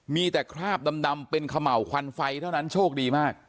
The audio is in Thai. มีแต่คราบดำเป็นเขม่าวควันไฟเท่านั้นโชคดีมาก